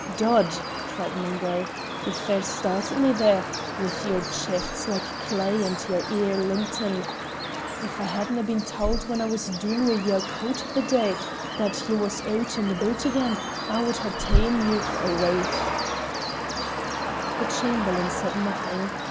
"Dod!" cried Mungo, "ye fair started me there, wi' your chafts like clay and yer ee'n luntin'. If I hadnae been tauld when I was doon wi' yer coat the day that ye was oot and aboot again, I wad hae taen 't for your wraith." The Chamberlain said nothing.